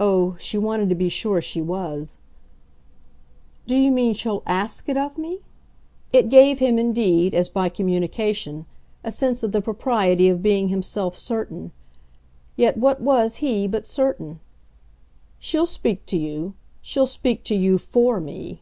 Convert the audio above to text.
Oh, she wanted to be sure she was. "Do you mean she'll ASK it of me?" It gave him indeed, as by communication, a sense of the propriety of being himself certain. Yet what was he but certain? "She'll speak to you. She'll speak to you FOR me."